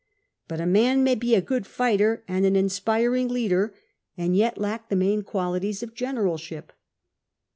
But a man may be a good fighter and an inspiring leader, and yet lack the main qualities of generalship.